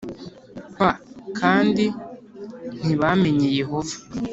P kandi ntibamenye yehova